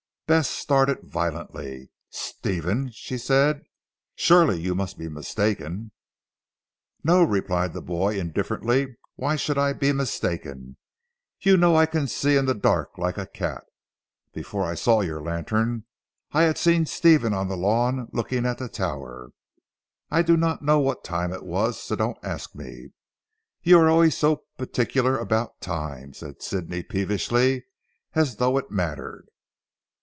Bess started violently. "Stephen," she said, "surely you must be mistaken." "No," replied the boy indifferently, "why should I be mistaken? You know I can see in the dark like a cat. Before I saw your lantern, I had seen Stephen on the lawn looking at the tower. I do not know what time it was, so don't ask me. You are always so particular about time," said Sidney peevishly, "as though it mattered."